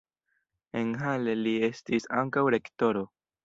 En Halle li estis ankaŭ rektoro.